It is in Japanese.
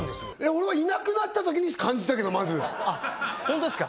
俺はいなくなったときに感じたけどまずホントですか？